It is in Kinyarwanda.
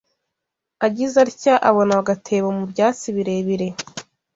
Agize atya abona agatebo mu byatsi birebire